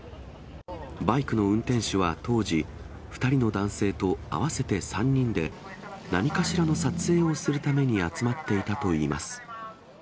バイクの運転手は当時、２人の男性と合わせて３人で、何かしらの撮影をするために集まっていたといいます。